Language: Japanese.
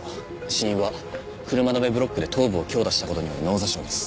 死因は車止めブロックで頭部を強打した事による脳挫傷です。